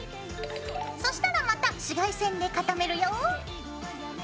そしたらまた紫外線で固めるよ。